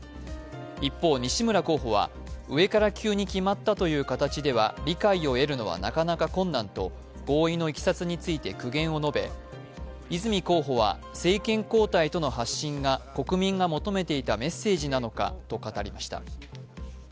一方、西村候補は上から急に決まったという形ではなかなか困難と、合意のいきさつについて苦言を述べ、泉候補は、政権交代との発信が国民が求めていたメッセージなのかと語りました。